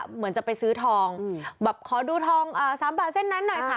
เหมือนจะไปซื้อทองแบบขอดูทอง๓บาทเส้นนั้นหน่อยค่ะ